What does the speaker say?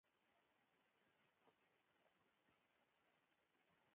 نه له ځانه خبر وي نه له دنيا نه!